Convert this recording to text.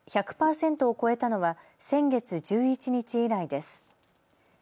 １００％を超えたのは先月１１日以来です。